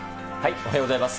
おはようございます。